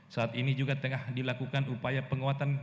saat ini juga tengah dilakukan upaya penguatan